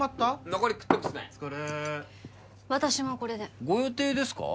残り食っとくっすねお疲れ私もこれでご予定ですか？